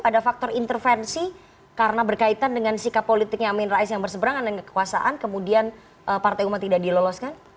ada faktor intervensi karena berkaitan dengan sikap politiknya amin rais yang berseberangan dengan kekuasaan kemudian partai umat tidak diloloskan